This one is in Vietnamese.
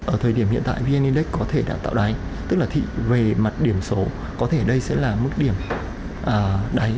ở thời điểm hiện tại vnedex có thể đã tạo đáy tức là về mặt điểm số có thể đây sẽ là mức điểm đáy